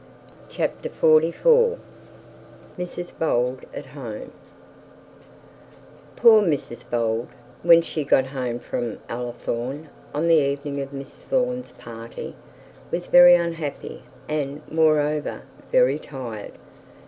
CHAPTER XLIV MRS BOLD AT HOME Poor Mrs Bold, when she got home from Ullathorne on the evening of Miss Thorne's party, was very unhappy, and moreover very tired.